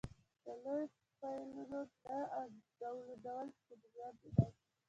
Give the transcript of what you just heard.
د لویو فایلونو نه ډاونلوډ ستونزمن دی.